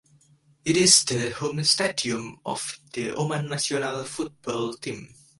It is the home stadium of the Oman national football team.